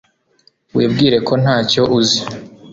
Wibwire ko ntacyo uzi